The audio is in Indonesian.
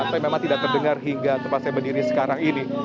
sampai memang tidak terdengar hingga tempat saya berdiri sekarang ini